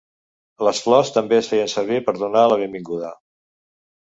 Les flors també es feien servir per donar la benvinguda.